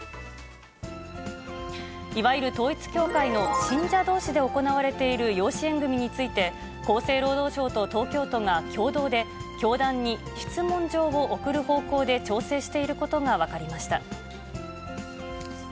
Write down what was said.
いわゆる統一教会の信者どうしで行われている養子縁組について、厚生労働省と東京都が共同で、教団に質問状を送る方向で調整していることが分かりました。